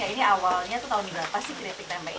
ini awalnya tuh tahun berapa sih keripik tempe ini